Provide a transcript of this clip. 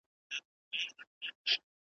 له یوه کلي تر بل به ساعتونه ,